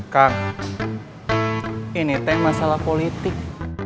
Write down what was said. kak ini bukan masalah politik